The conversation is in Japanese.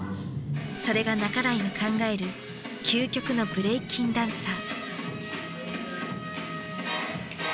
それが半井の考える究極のブレイキンダンサー。